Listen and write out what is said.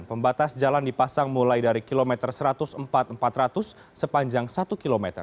pembatas jalan dipasang mulai dari kilometer satu ratus empat empat ratus sepanjang satu km